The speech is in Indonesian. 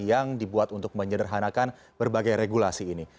yang dibuat untuk menyederhanakan berbagai regulasi ini